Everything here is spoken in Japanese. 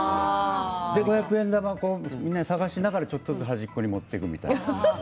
五百円玉、探しながらちょっとずつ端っこに持っていくみたいな。